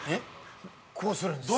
こうするんですよ。